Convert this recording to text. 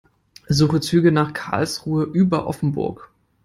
Suche Züge nach Karlsruhe über Offenburg.